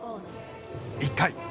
１回。